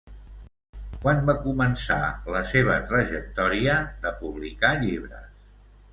Quan va començar la seva trajectòria de publicar llibres?